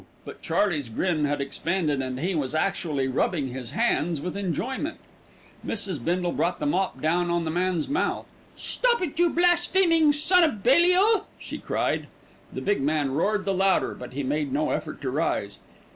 But Charley's grin had expanded and he was actually rubbing his hands with enjoyment. Mrs. Bindle brought the mop down on the man's mouth. "Stop it, you blaspheming son o' Belial," she cried. The big man roared the louder; but he made no effort to rise.